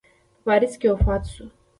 په پاریس کې وفات سو.